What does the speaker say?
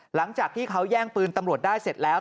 หลังจากที่เขาแย่งปืนตำรวจได้เสร็จแล้ว